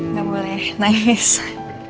nggak boleh naik bisa